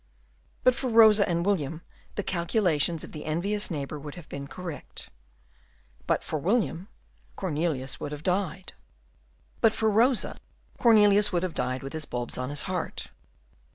But for Rosa and William, the calculations of the envious neighbour would have been correct. But for William, Cornelius would have died. But for Rosa, Cornelius would have died with his bulbs on his heart.